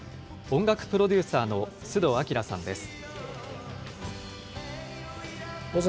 音楽プロデューサーの須藤晃さんです。